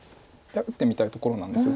打ってみたいところなんです。